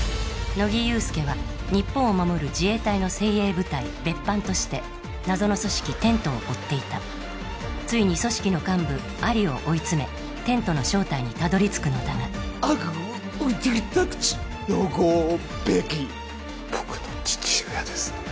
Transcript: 乃木憂助は日本を守る自衛隊の精鋭部隊別班として謎の組織テントを追っていたついに組織の幹部アリを追い詰めテントの正体にたどりつくのだが僕の父親です